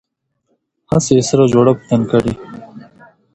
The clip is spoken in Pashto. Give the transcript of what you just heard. هغسې یې سره جوړه ده په یاري کې ورته ښه دي.